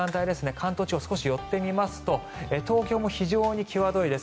関東地方、少し寄ってみますと東京も非常に際どいです。